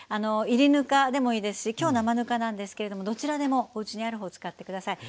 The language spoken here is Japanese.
「いりぬか」でもいいですし今日「生ぬか」なんですけれどもどちらでもおうちにある方使ってください。